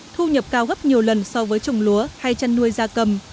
thu nhập cao gấp nhiều lần so với trồng lúa hay chăn nuôi da cầm